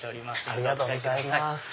ありがとうございます。